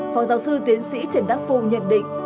phó giáo sư tiến sĩ trần đắc phu nhận định